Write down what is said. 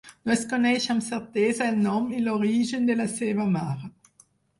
No es coneix amb certesa el nom i l'origen de la seva mare.